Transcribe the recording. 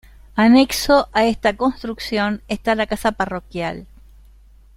Anexo a esta construcción está la casa parroquial.